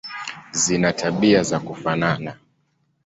Zina tabia za kufanana.